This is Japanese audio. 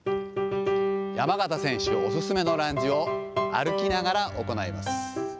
山縣選手お勧めのランジを歩きながら行います。